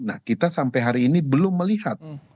nah kita sampai hari ini belum melihat